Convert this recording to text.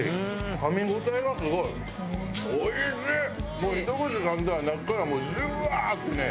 もうひと口噛んだら中からジュワってね。